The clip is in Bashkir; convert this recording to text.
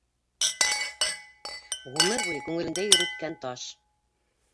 Ғүмер буйы күңелендә йөрөткән таш!